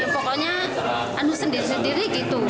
pokoknya anu sendiri sendiri gitu